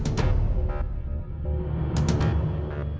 ini kerja kamu halal kan